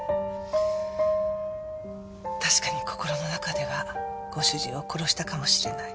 確かに心の中ではご主人を殺したかもしれない。